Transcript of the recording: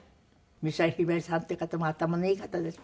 美空ひばりさんって方も頭のいい方ですよね。